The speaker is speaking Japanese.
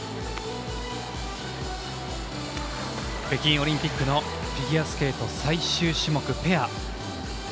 北京オリンピックのフィギュアスケート最終種目ペア。